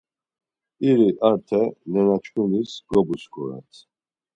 İri arte nenaçkunis gobuskurat.